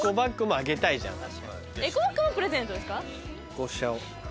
こうしちゃおう。